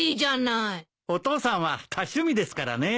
お父さんは多趣味ですからね。